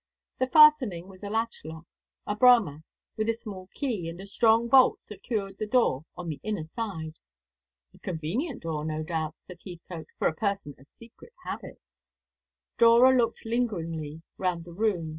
The fastening was a latch lock, a Bramah, with a small key, and a strong bolt secured the door on the inner side. "A convenient door, no doubt," said Heathcote, "for a person of secret habits." Dora looked lingeringly round the room.